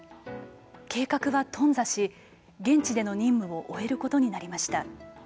計画は頓挫し現地での任務を終えることになりました。